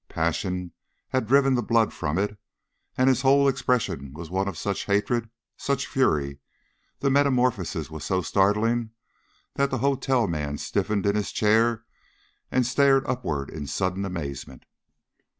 Passion had driven the blood from it, and his whole expression was one of such hatred, such fury, the metamorphosis was so startling, that the hotel man stiffened in his chair and stared upward in sudden amazement.